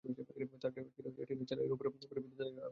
তার ছিঁড়ে টিনের চালের ওপর পড়ে বিদ্যুতায়িত হয়ে ঘরে আগুন ধরে যায়।